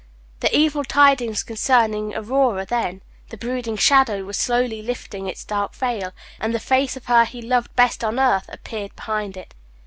The evil tidings concerned Aurora, then; the brooding shadow was slowly lifting its dark veil, and the face of her he loved best on earth appeared behind it.